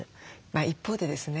一方でですね